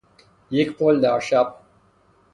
یک پل در شب